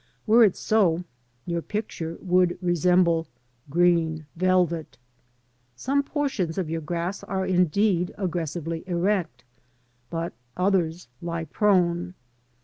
Were it so, your picture would resemble green velvet. Some portions of your grass are indeed aggressively erect, but others lie prone.